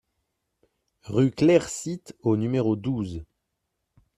Rue Clair Site au numéro douze